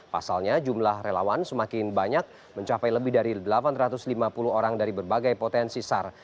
pasalnya jumlah relawan semakin banyak mencapai lebih dari delapan ratus lima puluh orang dari berbagai potensi sar